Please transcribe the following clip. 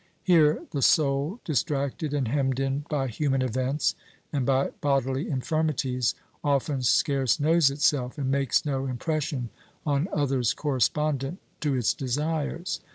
Here the soul, distracted and hemmed in by human events and by bodily infirmities, often scarce knows itself, and makes no impression on others correspondent to its desires.